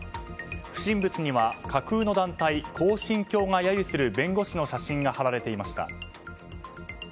不審物には架空の団体恒心教が揶揄する弁護士の写真が貼られていました。